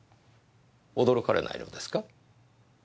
驚かれないのですか？